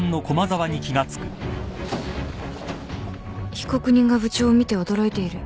被告人が部長を見て驚いている